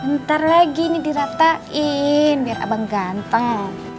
ntar lagi ini diratain biar abang ganteng